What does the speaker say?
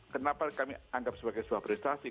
kenapa kami anggap sebagai suapresidasi